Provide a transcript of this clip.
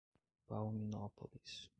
Palminópolis